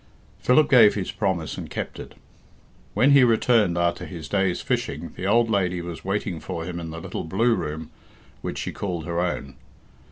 Philip gave his promise and kept it. When he returned after his day's fishing the old lady was waiting for him in the little blue room which she called her own.